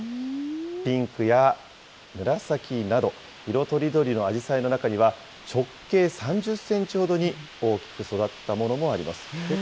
ピンクや紫など、色とりどりのあじさいの中には、直径３０センチほどに大きく育ったものもあります。